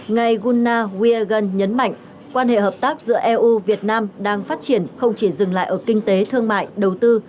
ngài guna wiegun nhấn mạnh quan hệ hợp tác giữa eu việt nam đang phát triển không chỉ dừng lại ở kinh tế thương mại đầu tư